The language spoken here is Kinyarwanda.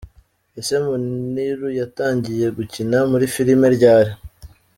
Ese Muniru yatangiye gukina muri filime ryari?.